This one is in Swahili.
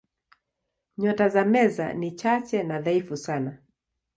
Nyota za Meza ni chache na dhaifu sana.